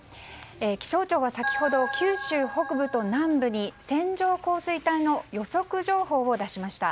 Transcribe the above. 気象庁が先ほど九州北部と南部に線状降水帯の予測情報を出しました。